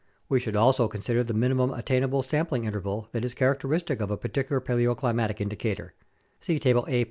We should also con sider the minimum attainable sampling interval that is characteristic of a particular paleoclimatic indicator (see Table A.